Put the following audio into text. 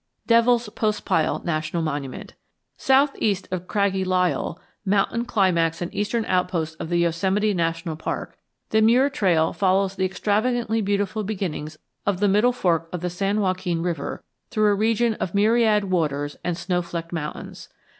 DEVIL'S POSTPILE NATIONAL MONUMENT Southeast of craggy Lyell, mountain climax and eastern outpost of the Yosemite National Park, the Muir Trail follows the extravagantly beautiful beginnings of the Middle Fork of the San Joaquin River through a region of myriad waters and snow flecked mountains.